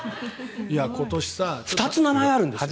２つ名前があるんですよ。